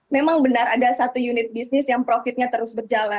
memang benar ada satu unit bisnis yang profitnya terus berjalan